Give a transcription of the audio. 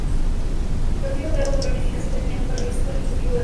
El Partido creado por la Unificación tenía poca relación con el ejecutivo del Estado.